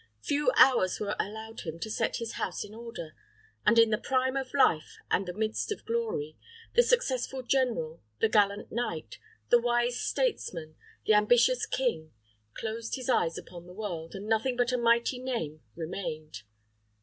Few hours were allowed him to set his house in order; and in the prime of life and the midst of glory, the successful general, the gallant knight, the wise statesman, the ambitious king closed his eyes upon the world, and nothing but a mighty name remained.